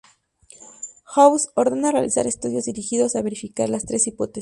House ordena realizar estudios dirigidos a verificar las tres hipótesis.